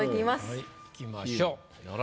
はいいきましょう。